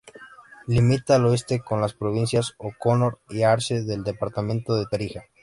Limita al Oeste con las provincias O'Connor y Arce del Departamento de Tarija.